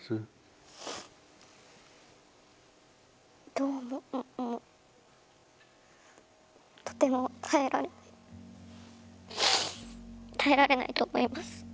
どう思うとても耐えられない耐えられないと思います。